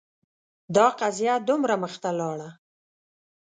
دا قضیه دومره مخته لاړه